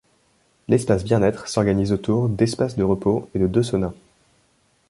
L'espace bien-être s'organise autour d'espaces de repos et de deux saunas.